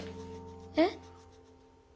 えっ？